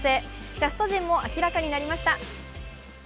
キャスト陣も明らかになりました。